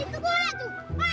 itu mana itu